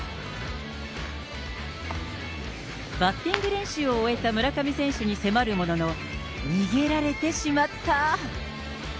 バッティング練習を終えた村上選手に迫るものの、逃げられてしまった。